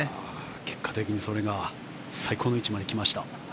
結果的にそれが最高の位置に来ました。